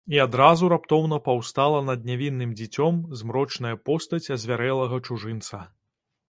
І адразу раптоўна паўстала над нявінным дзіцём змрочная постаць азвярэлага чужынца.